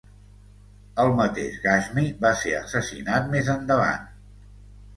El mateix Ghashmi va ser assassinat més endavant.